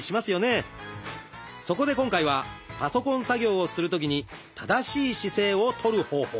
そこで今回はパソコン作業をするときに正しい姿勢を取る方法。